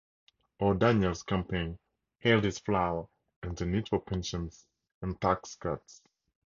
O'Daniel's campaign hailed his flour and the need for pensions and tax cuts.